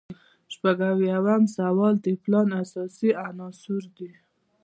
شپږ اویایم سوال د پلان اساسي عناصر دي.